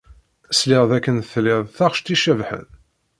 Sliɣ dakken tlid taɣect icebḥen.